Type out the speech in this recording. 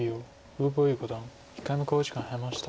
呉柏毅五段１回目の考慮時間に入りました。